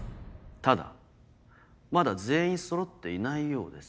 ただまだ全員そろっていないようです。